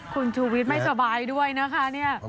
คุณชูวิทย์ไม่สบายด้วยนะคะเนี่ย